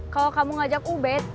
kalau kamu ngajak ubed